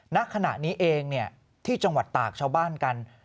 ณขณะนี้เองที่จังหวัดตากชาวบ้านกัน